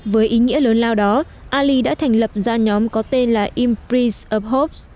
với ý nghĩa lớn lao đó ali đã thành lập ra nhóm có tên là impress of baghdad